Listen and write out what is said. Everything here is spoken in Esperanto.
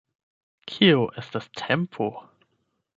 Kio estas tempo?